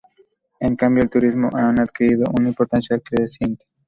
En cambio el turismo han adquirido una importancia al creciente.